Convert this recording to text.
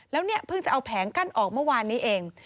แล้วเนี่ยเพิ่งจะเอาแผงกั้นออกเมื่อวานนี้เอง